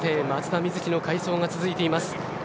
松田瑞生の快走が続いています。